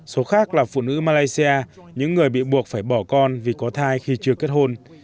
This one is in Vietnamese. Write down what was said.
số khác là phụ nữ malaysia những người bị buộc phải bỏ con vì có thai khi chưa kết hôn